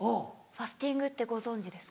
ファスティングってご存じですか。